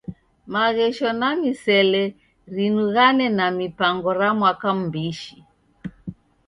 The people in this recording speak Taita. Maghesho na misele rinighane na mipango ra mwaka m'mbishi.